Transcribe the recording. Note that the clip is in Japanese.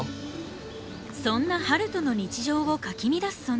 そんな春風の日常をかき乱す存在それは。